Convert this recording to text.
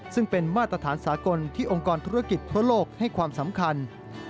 ซึ่งเป็นมาตรฐานสากลที่องค์กรธุรกิจทั่วโลกให้ความสำคัญ